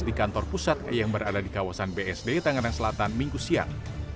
di kantor pusat yang berada di kawasan bsd tangan selatan minggu siang